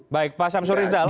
baik pak samsurizal